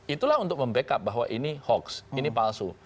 itulah untuk membackup bahwa ini hoax ini palsu